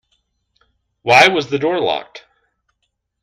Why was the door locked?